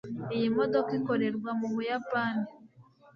Iyi modoka ikorerwa mu Buyapani